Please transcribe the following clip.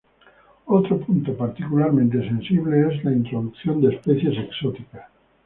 Otro punto particularmente sensible es la introducción de especies exóticas.